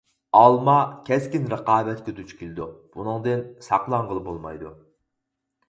ئالما كەسكىن رىقابەتكە دۇچ كېلىدۇ بۇنىڭدىن ساقلانغىلى بولمايدۇ.